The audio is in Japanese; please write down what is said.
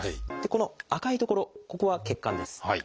この赤い所ここは血管です。